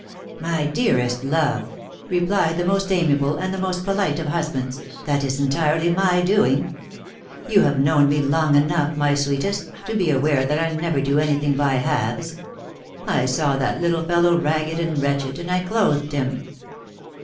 " My dearest love," replied the most amiable and the most polite of husbands, u that is entirely my doing. You have known me long enough, my sweetest, to be aware that I never do any thing by halves — I saw that little fellow ragged and wretched, and I clothed him